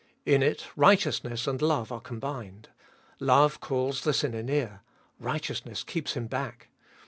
In it righteousness and love are combined. Love calls the sinner near ; righteousness keeps him back.